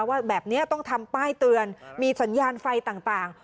ว่าแบบนี้ต้องทำป้ายเตือนมีสัญญาณไฟต่าง